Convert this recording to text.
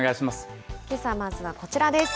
けさはまずはこちらです。